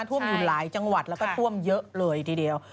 ท่วมอยู่หลายจังหวัดแล้วก็ท่วมเยอะเลยทีเดียว